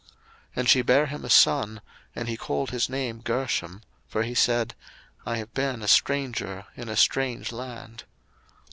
02:002:022 And she bare him a son, and he called his name Gershom: for he said, I have been a stranger in a strange land.